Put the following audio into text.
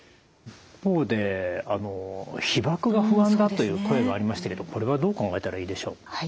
一方で被ばくが不安だという声がありましたけどこれはどう考えたらいいでしょう。